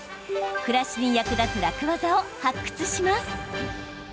暮らしに役立つ楽ワザを発掘します。